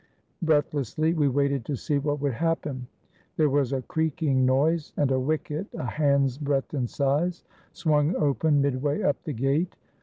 Breathlessly, we waited to see what would happen. There was a creaking noise and a wicket, a hand's breadth in size, swung open midway up the gate.